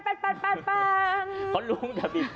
เขารู้แต่ปิดแปน